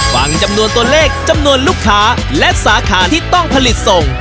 ฟังจำนวนตัวเลขจำนวนลูกค้าและสาขาที่ต้องผลิตส่ง